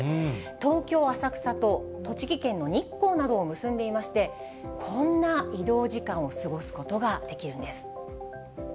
東京・浅草と栃木県の日光などを結んでいまして、こんな移動時間を過ごすことができるんです。